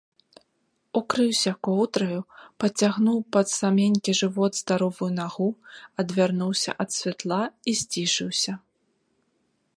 Укрыўся коўдраю, падцягнуў пад саменькі жывот здаровую нагу, адвярнуўся ад святла і сцішыўся.